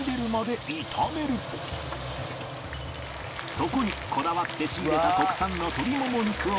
そこにこだわって仕入れた国産の鶏もも肉を入れ